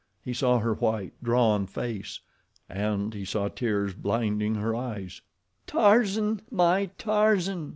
He saw her white, drawn face and he saw tears blinding her eyes. "Tarzan, my Tarzan!"